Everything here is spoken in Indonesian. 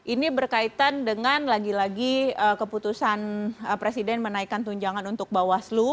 ini berkaitan dengan lagi lagi keputusan presiden menaikkan tunjangan untuk bawaslu